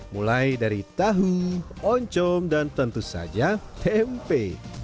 mulai dari tahu oncom dan tentu saja tempe